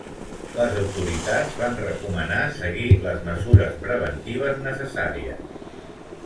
Les autoritats van recomanar seguir les mesures preventives necessàries.